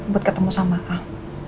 buat ketemu sama al